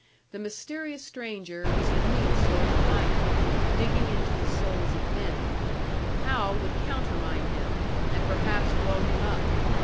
The mysterious stranger was a new sort of miner, digging into the souls of men; Hal would countermine him, and perhaps blow him up.